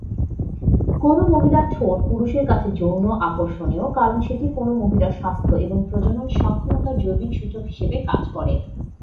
কোনও মহিলার ঠোঁট পুরুষদের কাছে যৌন আকর্ষণীয় কারণ সেটি কোনও মহিলার স্বাস্থ্য এবং প্রজনন সক্ষমতার জৈবিক সূচক হিসাবে কাজ করে।